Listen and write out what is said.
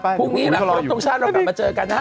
พรุ่งนี้พรุ่งตรงชาติเรากลับมาเจอกันนะ